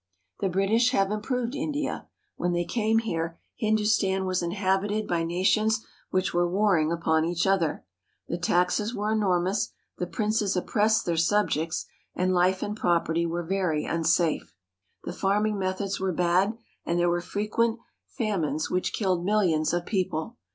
The British h^^e improved India. When they came here Hindustan was inhabited by nations which were warring upon each other. The taxes were enormous, the princes oppressed their subjects, and life and property 238 GENERAL VIEW OF INDIA were very unsafe. The farming methods were bad, and there were frequent famines which killed millions of people.